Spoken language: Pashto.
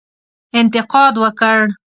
انتقاد وکړ.